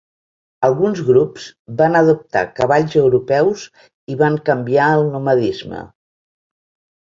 Alguns grups van adoptar cavalls europeus i van canviar al nomadisme.